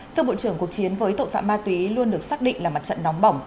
thưa bộ trưởng cuộc chiến với tội phạm ma túy luôn được xác định là mặt trận nóng bỏng